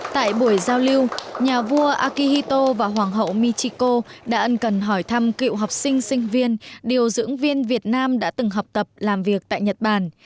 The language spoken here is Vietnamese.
tại buổi giao lưu nhà vua akihito và hoàng hậu michiko đã ân cần hỏi thăm cựu học sinh sinh viên điều dưỡng viên việt nam đã từng học tập làm việc tại nhật bản